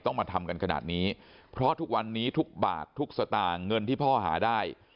มาทำกันขนาดนี้เพราะทุกวันนี้ทุกบาททุกสตางค์เงินที่พ่อหาได้